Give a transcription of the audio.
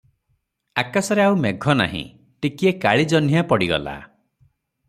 ଆକାଶରେ ଆଉ ମେଘ ନାହିଁ, ଟିକିଏ କାଳିଜହ୍ନିଆ ପଡିଗଲା ।